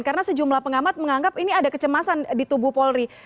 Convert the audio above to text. karena sejumlah pengamat menganggap ini ada kecemasan di tubuh polri